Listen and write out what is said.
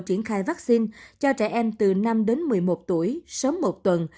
triển khai vaccine cho trẻ em từ năm đến một mươi một tuổi sớm một tuần